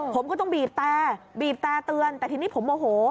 ผมก็ต้องบีบแต่บีบแต่เตือนแต่ทีนี้ผมโมโห